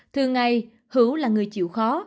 thường ngày hữu là người chịu khó